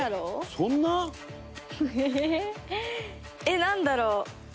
えっなんだろう？